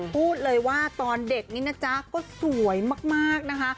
พูดเลยว่าตอนเด็กนี้นะจ๊ะก็สวยมากนะคะ